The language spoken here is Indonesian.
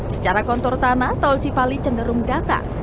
secara kontor tanah tol cipali cenderung datang